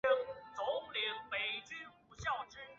同时也在英国专辑排行榜连续八次获得排名第一。